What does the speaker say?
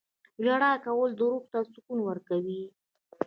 • ژړا کول روح ته سکون ورکوي.